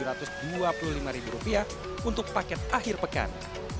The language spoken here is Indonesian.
premium grandstand dengan keterangan rp satu tujuh ratus dua puluh lima untuk paket akhir pekan